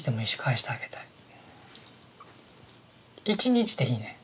１日でいいねん。